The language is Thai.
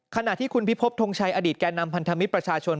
ขณะที่คุณพิพบทงชัยอดีตแก่นำพันธมิตรประชาชน